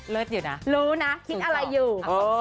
เย็นเยอะนะรู้นะคิดอะไรอยู่